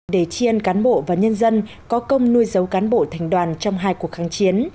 đề chiên cán bộ và nhân dân có công nuôi dấu cán bộ thành đoàn trong hai cuộc kháng chiến